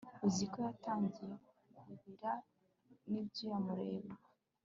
uziko yatangiye kubira nibyuya mureba